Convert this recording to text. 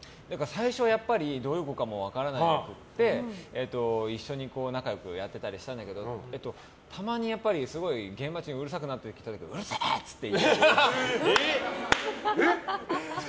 最初どういう子かも分からなくて一緒に仲良くやってたりしたんだけどたまにすごい現場中にうるさくなってきた時うるせー！って言ったり。